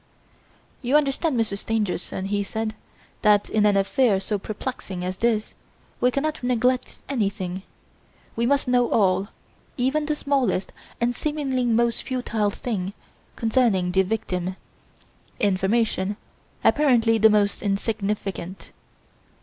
"You understand, Monsieur Stangerson," he said, "that in an affair so perplexing as this, we cannot neglect anything; we must know all, even the smallest and seemingly most futile thing concerning the victim information apparently the most insignificant.